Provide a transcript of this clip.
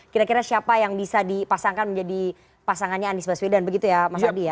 kira kira siapa yang bisa dipasangkan menjadi pasangannya anies baswedan begitu ya mas adi ya